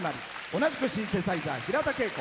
同じくシンセサイザー、平田恵子。